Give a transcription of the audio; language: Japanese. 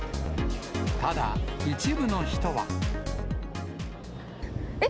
ただ、一部の人は。えっ？